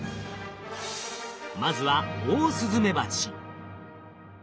まずはオオスズメバチ。